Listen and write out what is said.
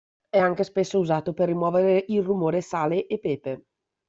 È anche spesso usato per rimuovere il rumore sale e pepe.